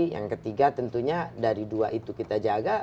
yang ketiga tentunya dari dua itu kita jaga